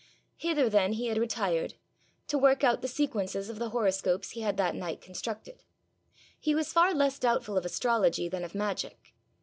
Hither then he had retired to work out the sequences of the horoscopes he had that night constructed. He was far less doubtful of astrology than of magic.